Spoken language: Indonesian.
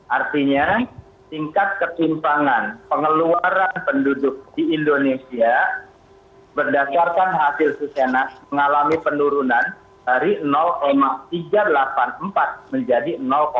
artinya tingkat ketimpangan pengeluaran penduduk di indonesia berdasarkan hasil susenas mengalami penurunan dari tiga ratus delapan puluh empat menjadi satu